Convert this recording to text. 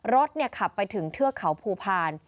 รถขับไปถึงเทือกเขาภูพาล